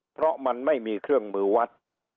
เพราะมันไม่มีเครื่องมือวัด